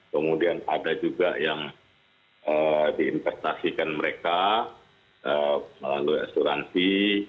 kemudian ada juga yang diinvestasikan mereka melalui asuransi